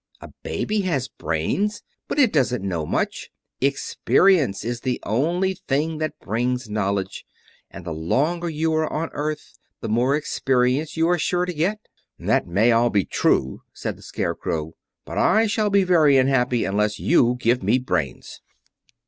A baby has brains, but it doesn't know much. Experience is the only thing that brings knowledge, and the longer you are on earth the more experience you are sure to get." "That may all be true," said the Scarecrow, "but I shall be very unhappy unless you give me brains."